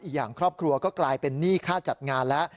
อย่างครอบครัวก็กลายเป็นหนี้ค่าจัดงานแล้ว